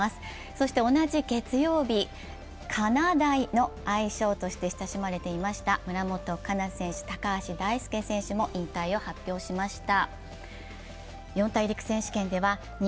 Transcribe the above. そして同じ月曜日、かなだいの愛称として親しまれていました村元哉中選手、高橋大輔選手も引退を発表しました。